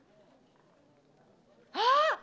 あっ！